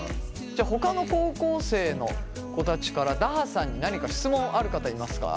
じゃほかの高校生の子たちからだはさんに何か質問ある方いますか？